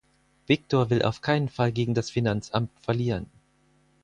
Viktor will auf keinen Fall gegen das Finanzamt verlieren.